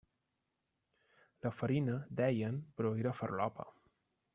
La farina, deien, però era farlopa.